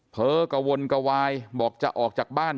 เผลอกวนกวายบอกจะออกจากบ้าน